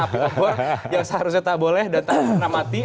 apa yang seharusnya tak boleh dan tak pernah mati